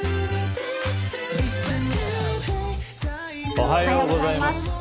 おはようございます。